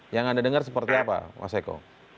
yang anda dengar seperti apa mas eko